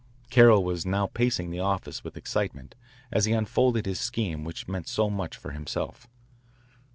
Carroll was now pacing the office with excitement as he unfolded his scheme which meant so much for himself.